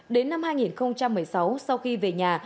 đến năm hai nghìn một mươi sáu sau khi về nhà